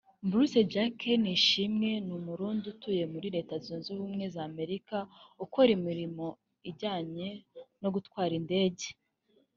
Bruce Jacques Nishimwe ni Umurundi utuye muri Leta Zunze Ubumwe z’Amerika ukora imirimo ijyanye no gutwara indege